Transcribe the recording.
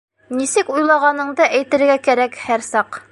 — Нисек уйлағаныңды әйтергә кәрәк һәр саҡ.